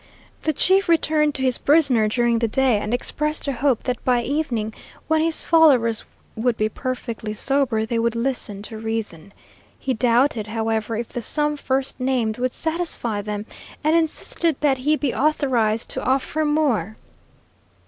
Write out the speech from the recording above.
The chief returned to his prisoner during the day, and expressed a hope that by evening, when his followers would be perfectly sober, they would listen to reason. He doubted, however, if the sum first named would satisfy them, and insisted that he be authorized to offer more.